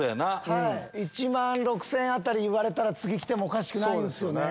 １万６０００円辺り言われたら次来てもおかしくないですよね。